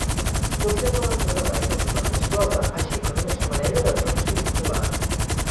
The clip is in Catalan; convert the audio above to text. Conserva l'entrada d'aigües i la resclosa, així com una xemeneia de tronc circular.